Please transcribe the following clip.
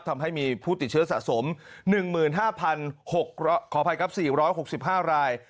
ทำให้มีผู้ติดเชื้อสะสม๑๕ขออภัยครับ๔๖๕ราย